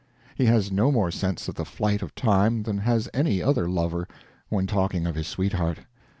He has no more sense of the flight of time than has any other lover when talking of his sweetheart.